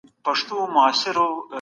هغه د خپلو والدينو پوره قدر او عزت کاوه.